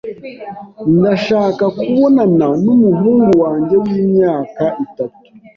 Ndashaka kubonana numuhungu wanjye wimyaka itatu.